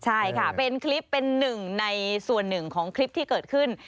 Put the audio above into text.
ใช่ค่ะเป็นคลิปเป็นหนึ่งในส่วนหนึ่งของคลิปที่เกิดขึ้น